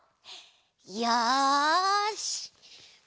よし！